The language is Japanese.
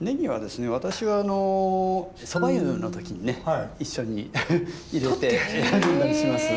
私はあの蕎麦湯の時にね一緒に入れて頂いたりします。